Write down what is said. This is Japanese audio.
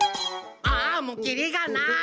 あもうきりがない。